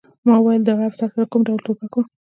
ما وویل د هغه افسر سره کوم ډول ټوپک و